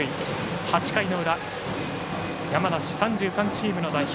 ８回の裏、山梨３３チームの代表。